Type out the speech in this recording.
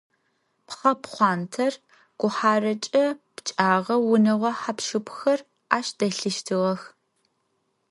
Пхъэ пхъуантэр гухьарэкӏэ пкӏагъэу, унэгъо хьап-щыпхэр ащ дэлъыщтыгъэх.